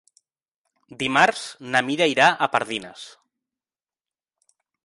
Dimarts na Mira irà a Pardines.